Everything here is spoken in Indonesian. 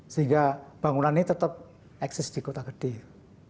sehingga bangunan ini tetap eksis di kota gede